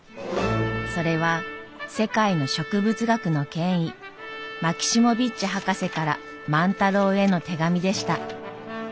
それは世界の植物学の権威マキシモヴィッチ博士から万太郎への手紙でした。